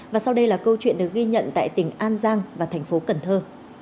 và sau đây là câu chuyện được ghi nhận tại tỉnh an giang và thành phố cần thơ